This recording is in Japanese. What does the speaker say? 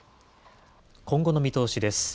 今後の見通しです。